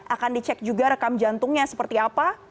akan dicek juga rekam jantungnya seperti apa